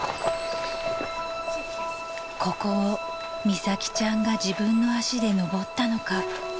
［ここを美咲ちゃんが自分の足で登ったのか］